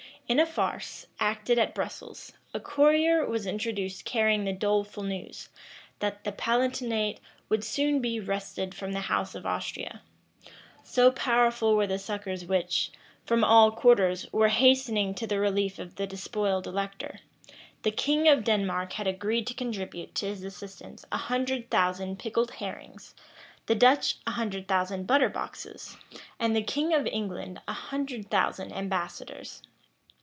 In a farce, acted at Brussels, a courier was introduced carrying the doleful news, that the Palatinate would soon be wrested from the house of Austria; so powerful were the succors which, from all quarters, were hastening to the relief of the despoiled elector: the king of Denmark had agreed to contribute to his assistance a hundred thousand pickled herrings, the Dutch a hundred thousand butter boxes, and the king of England a hundred thousand ambassadors.